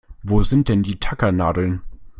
Wo sind denn die Tackernadeln?